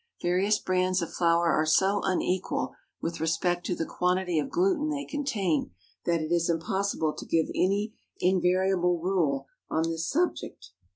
Various brands of flour are so unequal with respect to the quantity of gluten they contain, that it is impossible to give any invariable rule on this subject.